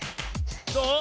どう？